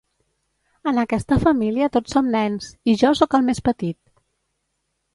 En aquesta família tots som nens, i jo soc el més petit.